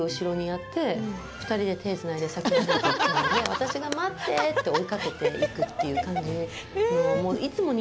私が「まってー！」って追いかけていくっていう感じ。